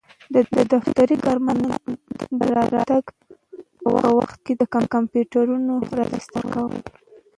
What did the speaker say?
د دفتري کارمندانو د راتګ په وخت کي د کمپیوټرونو راجستر کول.